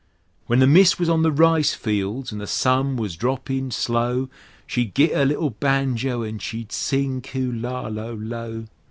When the mist was on the rice fields an' the sun was droppin' slow, She'd git 'er little banjo an' she'd sing "Kulla lo lo!"